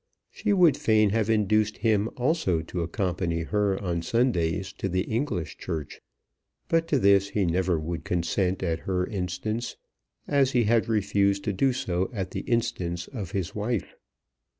She would fain have induced him also to accompany her on Sundays to the English Church. But to this he never would consent at her instance, as he had refused to do so at the instance of his wife.